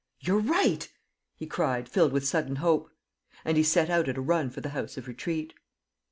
... You're right," he cried, filled with sudden hope. And he set out at a run for the House of Retreat.